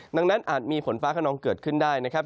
ดังนั้นอาจมีฝนฟ้าขนองเกิดขึ้นได้นะครับ